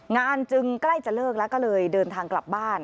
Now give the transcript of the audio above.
งานจึงใกล้จะเลิกแล้วก็เลยเดินทางกลับบ้าน